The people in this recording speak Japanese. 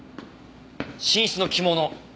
寝室の着物。